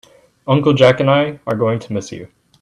Uncle Jack and I are going to miss you.